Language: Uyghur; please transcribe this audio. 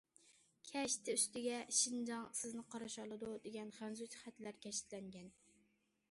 كەشتە ئۈستىگە« شىنجاڭ سىزنى قارشى ئالىدۇ» دېگەن خەنزۇچە خەتلەر كەشتىلەنگەن.